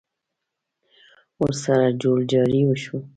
ورسره جوړ جاړی وشي.